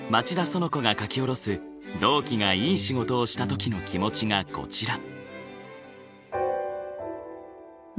そのこが書き下ろす同期がいい仕事をした時の気持ちがこちら。